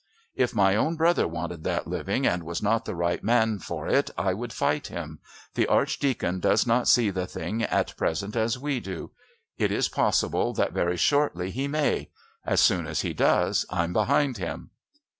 "If my own brother wanted that living and was not the right man for it I would fight him. The Archdeacon does not see the thing at present as we do; it is possible that very shortly he may. As soon as he does I'm behind him."